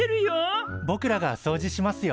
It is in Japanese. ぼくらがそうじしますよ。